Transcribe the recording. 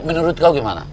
menurut kau gimana